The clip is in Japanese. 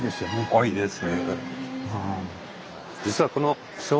多いです。